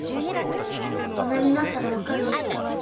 大人になったら分かるよ。